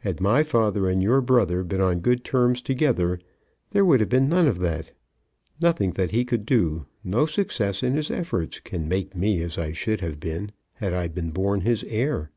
Had my father and your brother been on good terms together, there would have been none of that. Nothing that he could do, no success in his efforts, can make me be as I should have been had I been born his heir.